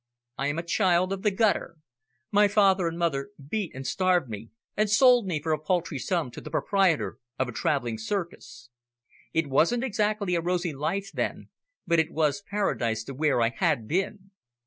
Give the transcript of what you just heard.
I am a child of the gutter. My father and mother beat and starved me, and sold me for a paltry sum to the proprietor of a travelling circus. It wasn't exactly a rosy life then, but it was paradise to where I had been.